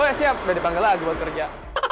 oh ya siap udah dipanggil lagi buat kerja